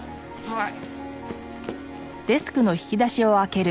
はい。